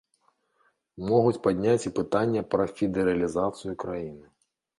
Могуць падняць і пытанне пра федэралізацыю краіны.